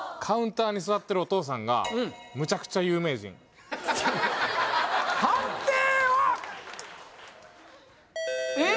カウンターに座ってるお父さんがむちゃくちゃ有名人判定は！